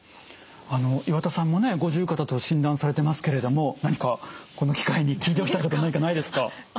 岩田さんもね五十肩と診断されてますけれども何かこの機会に聞いておきたいこと何かないですか？